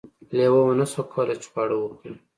لیوه ونشوای کولی چې خواړه وخوري.